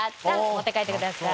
持って帰ってください。